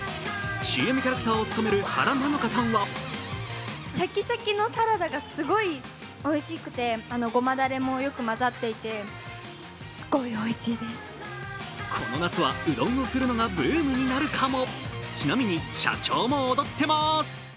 ＣＭキャラクターを務める原菜乃華さんはこの夏はうどんを振るのがブームになるかも。